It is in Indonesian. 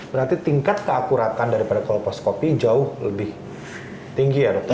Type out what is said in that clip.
berarti tingkat keakuratan daripada kolposcopy jauh lebih tinggi ya dokter